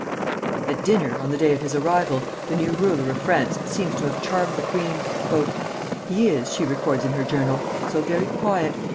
At dinner, on the day of his arrival, the new ruler of France seems to have charmed the queen. "He is," she records in her journal, "so very quiet.